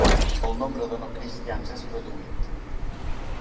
El nombre de no cristians és reduït.